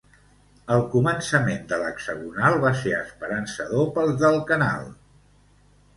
El començament de l'hexagonal va ser esperançador pels del canal.